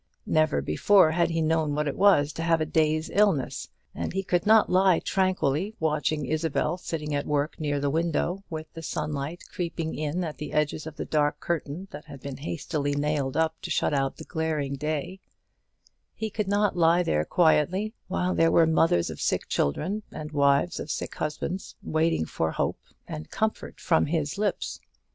Never before had he known what it was to have a day's illness; and he could not lie tranquilly watching Isabel sitting at work near the window, with the sunlight creeping in at the edges of the dark curtain that had been hastily nailed up to shut out the glaring day; he could not lie quietly there, while there were mothers of sick children, and wives of sick husbands, waiting for hope and comfort from his lips.